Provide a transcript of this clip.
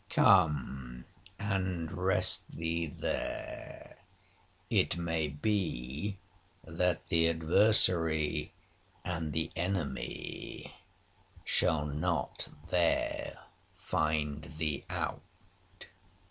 Come and rest thee there, it may be that the adversary and the enemy shall not there find thee out.'